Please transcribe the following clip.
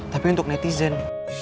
tapi untuk netizen